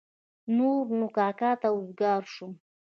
نور نو کاکا ته وزګار شوم.